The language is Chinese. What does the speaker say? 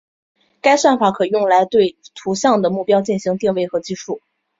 该算法可用来对图像的目标进行定位和计数。